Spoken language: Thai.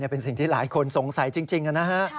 เป็นสิ่งที่หลายคนสงสัยจริงนะฮะ